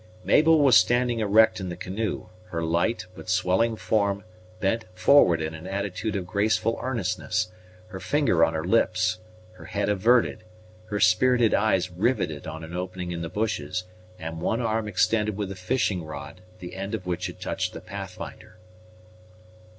Mabel was standing erect in the canoe, her light, but swelling form bent forward in an attitude of graceful earnestness, her finger on her lips, her head averted, her spirited eyes riveted on an opening in the bushes, and one arm extended with a fishing rod, the end of which had touched the Pathfinder.